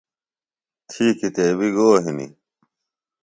تھی کِتیبیۡ گو ہِنیۡ؟